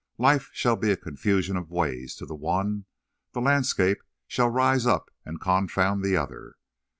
Life shall be a confusion of ways to the one; the landscape shall rise up and confound the other.